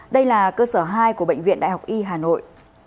đây là cơ sở hai của bệnh viện đại học y hà nội